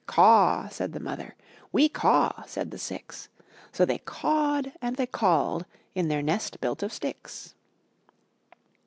''Caw,'' said the mother; ''We caw,'* said the six; So they cawed and they called In their nest built of sticks.